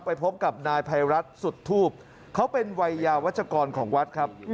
ไปพบกับนายภัยรัฐสุดทูบเขาเป็นวัยยาวัชกรของวัดครับ